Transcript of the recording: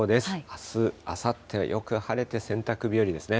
あす、あさってはよく晴れて、洗濯日和ですね。